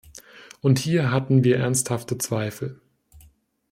Und hier hatten wir ernsthafte Zweifel.